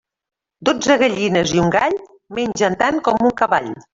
Dotze gallines i un gall mengen tant com un cavall.